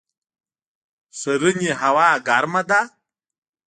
ښرنې هوا ګرمه ده؟